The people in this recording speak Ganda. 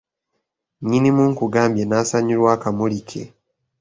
Nnyinimu nkugambye n’asanyulwa akamuli ke.